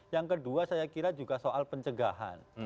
yang kedua saya kira juga soal pencegahan